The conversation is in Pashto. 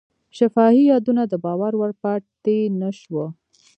شفاهي یادونه د باور وړ پاتې نه شوه.